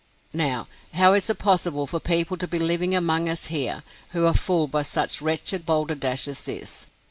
Now, how is it possible for people to be living among us here, who are fooled by such wretched balderdash as this?